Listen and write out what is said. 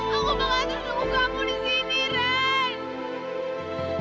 aku mau ke kamu di sini ren